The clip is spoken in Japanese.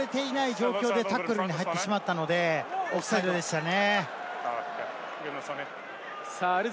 堀江選手が戻れていない状況でタックルに入ってしまったので、オフサイドでしたね。